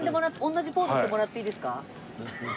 同じポーズしてもらっていいですか？